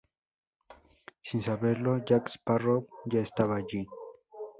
Sin saberlo, Jack Sparrow ya estaba allí.